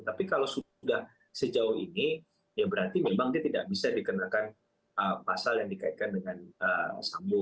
tapi kalau sudah sejauh ini ya berarti memang dia tidak bisa dikenakan pasal yang dikaitkan dengan sambu